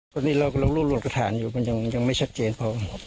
ตอนนี้เรากำลังรวบรวมกระฐานอยู่มันยังไม่ชัดเจนพอ